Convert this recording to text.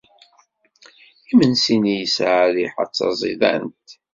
Imensi-nni yesɛa rriḥa d taẓidant.